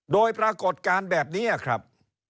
โดยปรากฏการณ์แบบนี้ครับ